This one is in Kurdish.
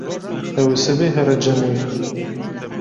Ew ê sibê here cem wê.